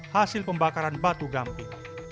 hasil pembakaran batu gampi